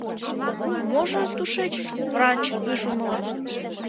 — Можо... тушеч? — врач ыш умыло.